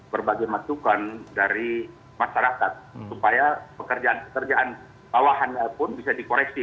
berbagai masukan dari masyarakat supaya pekerjaan pekerjaan bawahannya pun bisa dikoreksi